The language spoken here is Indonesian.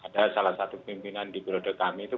ada salah satu pimpinan di periode kami itu